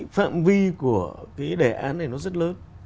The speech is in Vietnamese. phạm vi của đề án này rất lớn